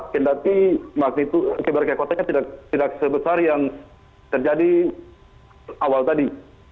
tetapi maknitu sebarang kota tidak sebesar yang terjadi awal tadi